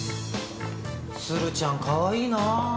鶴ちゃんかわいいな。